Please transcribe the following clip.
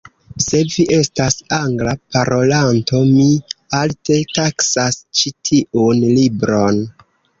Se vi estas Angla parolanto, mi alte taksas ĉi tiun libron.